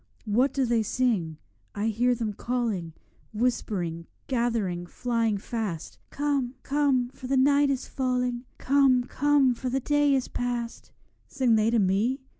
What do they sing? I hear them calling, Whispering, gathering, flying fast, 'Come, come, for the night is falling; Come, come, for the day is past!' Sing they to me?